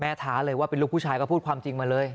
ท้าเลยว่าเป็นลูกผู้ชายก็พูดความจริงมาเลย